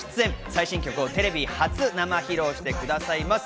最新曲をテレビ初生披露してくださいます。